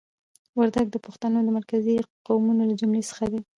وردګ د پښتنو د مرکزي قومونو له جملې څخه دي.